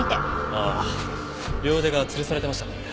ああ両腕が吊るされてましたからね。